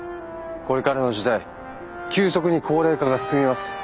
これからの時代急速に高齢化が進みます。